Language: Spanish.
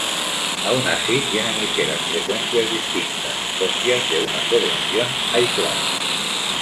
Aun así tienen ligeras frecuencias distintas, propias de una población aislada.